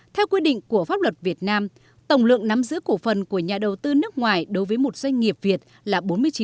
theo quy định của pháp luật việt nam tổng lượng nắm giữ cổ phần của nhà đầu tư nước ngoài đối với một doanh nghiệp việt là bốn mươi chín